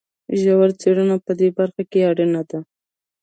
ژوره څېړنه په دې برخه کې اړینه ده.